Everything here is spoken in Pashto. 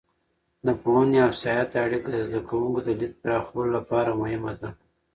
د پوهنې او سیاحت اړیکه د زده کوونکو د لید پراخولو لپاره مهمه ده.